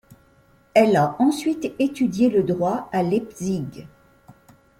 Elle a ensuite étudié le droit à Leipzig.